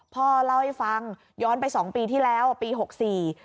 พ่อเล่าให้ฟังย้อนไปสองปีที่แล้วปีหกสี่